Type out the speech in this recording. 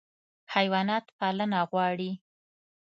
حیوانات پالنه غواړي.